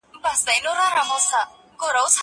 پاکوالی د مور له خوا کيږي؟